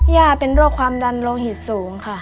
ย่าเป็นโรคความดันโลหิตสูงค่ะ